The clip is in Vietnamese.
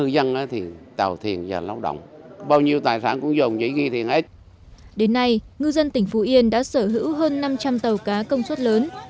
đến nay ngư dân tỉnh phú yên đã sở hữu hơn năm trăm linh tàu cá công suất lớn